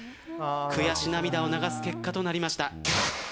悔し涙を流す結果となりました。